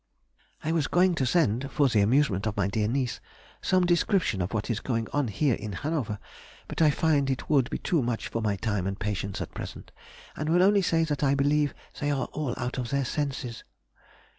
I was going to send, for the amusement of my dear niece, some description of what is going on here in Hanover, but I find it would be too much for my time and patience at present, and will only say that I believe they are all out of their senses.